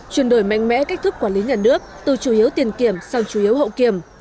chuyển đổi mạnh mẽ cách thức quản lý nhà nước từ chủ yếu tiền kiểm sang chủ yếu hậu kiểm